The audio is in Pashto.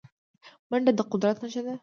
منډه د قدرت نښه ده